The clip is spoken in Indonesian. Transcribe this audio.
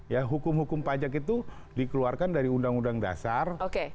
ya hukum hukum pajak itu dikeluarkan dari undang undang dasar